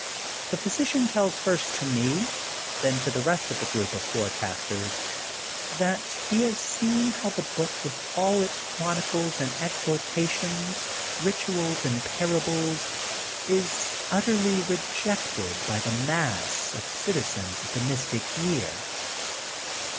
The physician tells first to me, then to the rest of the group of forecasters, that he has THE GOLDEN BOOK OF SPRINGFIELD 47 seen how the book with all its ohronioles and exhortations, rituals and parables, is utterly rejected by the mass of the citizens of the Mystic Year.